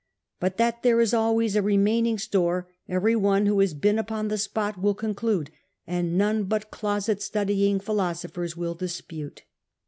Ibit that there is always a remaining store, every one who has been upon the spot will conclude, and none but closet studying philosophers will dispute.